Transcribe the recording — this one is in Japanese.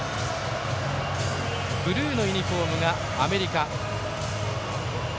ブルーのユニフォームがアメリカ。